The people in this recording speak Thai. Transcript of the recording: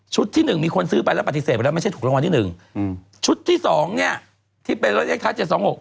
ที่หนึ่งมีคนซื้อไปแล้วปฏิเสธไปแล้วไม่ใช่ถูกรางวัลที่หนึ่งอืมชุดที่สองเนี่ยที่เป็นรถเลขท้ายเจ็ดสองหก